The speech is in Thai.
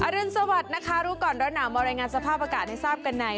รุนสวัสดิ์นะคะรู้ก่อนร้อนหนาวมารายงานสภาพอากาศให้ทราบกันใน